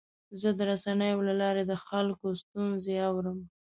زه د رسنیو له لارې د خلکو ستونزې اورم.